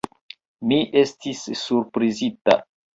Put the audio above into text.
Mi estis surprizita.